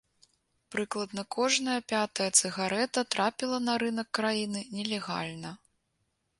Прыкладна кожная пятая цыгарэта трапіла на рынак краіны нелегальна.